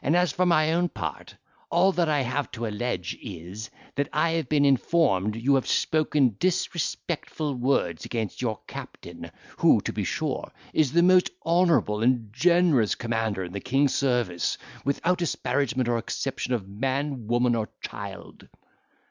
As for my own part, all that I have to allege is, that I have been informed you have spoken disrespectful words against your captain, who, to be sure, is the most honourable and generous commander in the king's service, without asparagement or acception of man, woman, or child."